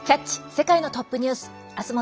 世界のトップニュース」。